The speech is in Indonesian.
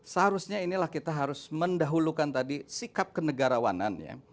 seharusnya inilah kita harus mendahulukan tadi sikap kenegarawanan ya